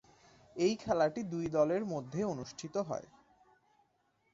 এই খেলাটি দুই দলের মধ্যে অনুষ্ঠিত হয়।